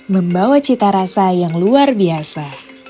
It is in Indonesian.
membawa cita rasa yang luar biasa